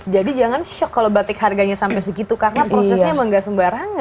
jadi jangan shock kalau batik harganya sampai segitu karena prosesnya memang tidak sembarangan ya